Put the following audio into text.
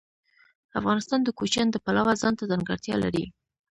افغانستان د کوچیان د پلوه ځانته ځانګړتیا لري.